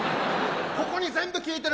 ここに全部効いてる。